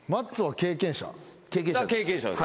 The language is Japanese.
経験者です。